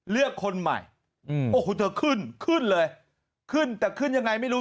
เลือกคนใหม่โอ้โหเธอขึ้นขึ้นเลยขึ้นแต่ขึ้นยังไงไม่รู้